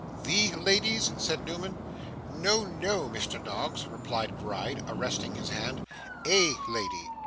'THE ladies?' said Newman. 'No, no, Mr. Noggs,' replied Gride, arresting his hand, 'A lady.